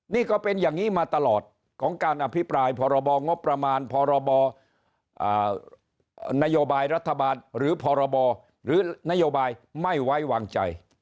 นี่ก็เป็นอย่างนี้มาตลอดของการอภิปรายพรงพรนรบหรือพรนไม่ไว้วางใจ